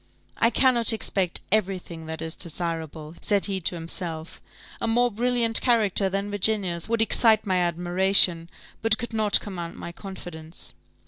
"I cannot expect every thing that is desirable," said he to himself: "a more brilliant character than Virginia's would excite my admiration, but could not command my confidence."